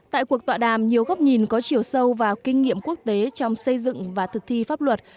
tại cuộc tọa đàm nhiều góc nhìn có chiều sâu vào kinh nghiệm quốc tế trong xây dựng và thực thi pháp luật